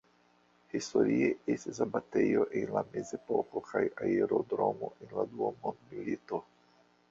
Historie estis abatejo en la Mezepoko kaj aerodromo en la Dua mondmilito.